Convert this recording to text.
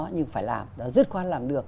nhưng phải làm rất khó làm được